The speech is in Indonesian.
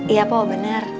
iya pak benar